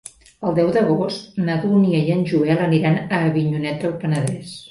El deu d'agost na Dúnia i en Joel aniran a Avinyonet del Penedès.